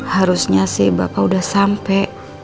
harusnya sih bapak udah sampai